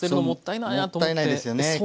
もったいないですよね。